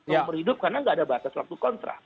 nomor hidup karena tidak ada batas waktu kontrak